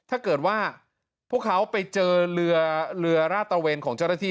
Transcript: ถ้าเกิดว่าพวกเขาไปเจอเรือเรือราดตระเวนของเจ้าหน้าที่